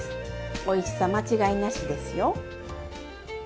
おいしさ間違いなしですよ！